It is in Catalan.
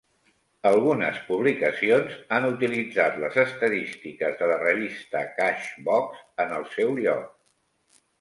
Algunes publicacions han utilitzat les estadístiques de la revista Cash Box en el seu lloc.